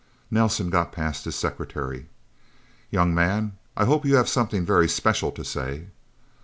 Nelsen got past his secretary. "Young man I hope you have something very special to say."